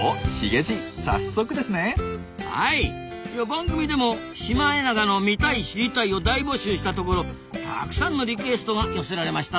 番組でも「シマエナガの見たい・知りたい」を大募集したところたくさんのリクエストが寄せられましたぞ。